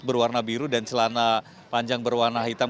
berwarna biru dan celana panjang berwarna hitam